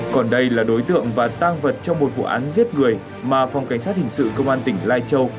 còn đây là đối tượng và tang vật trong một vụ án giết người mà phòng cảnh sát hình sự công an tỉnh lai châu